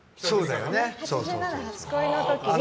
「’８７初恋」の時に。